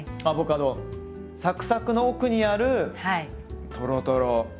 サクサクの奥にあるトロトロ。